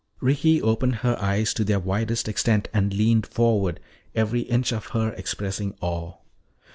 Ricky opened her eyes to their widest extent and leaned forward, every inch of her expressing awe.